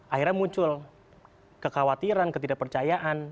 akhirnya muncul kekhawatiran ketidakpercayaan